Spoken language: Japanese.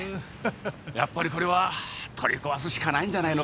やっぱりこれは取り壊すしかないんじゃないのかね。